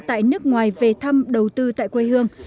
tại nước ngoài về thăm đầu tư tại quê hương